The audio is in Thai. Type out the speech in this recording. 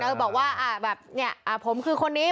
บิเอนบอกว่าครับแบบเนี่ยผมคือคนนี้